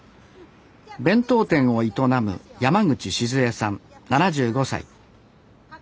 弁当店を営む山口静江さん